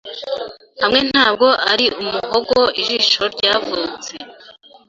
hamwe ntabwo ari umuhogo ijisho ryavutse